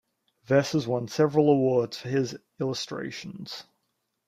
Vess has won several awards for his illustrations.